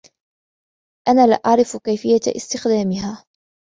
أنا لا أعرف كيفية استخدامها.